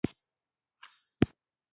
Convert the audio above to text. د هېواد مرکز د افغانستان د اقتصاد برخه ده.